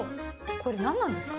これ何なんですか？